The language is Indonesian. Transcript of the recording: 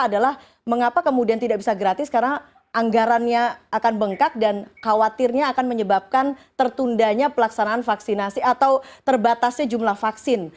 adalah mengapa kemudian tidak bisa gratis karena anggarannya akan bengkak dan khawatirnya akan menyebabkan tertundanya pelaksanaan vaksinasi atau terbatasnya jumlah vaksin